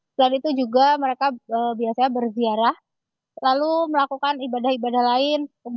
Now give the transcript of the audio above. selain itu juga mereka biasanya berziarah lalu melakukan ibadah ibadah lain